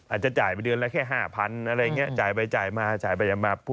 จ่ายไปเดือนละแค่๕๐๐๐อะไรอย่างนี้จ่ายไปจ่ายมาจ่ายไปมา